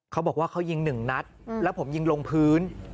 เขาบอกว่าเขายิงหนึ่งนัดแล้วผมยิงลงพื้น